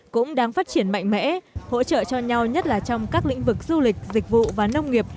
cũng đang phát triển mạnh mẽ hỗ trợ cho nhau nhất là trong các lĩnh vực du lịch dịch vụ và nông nghiệp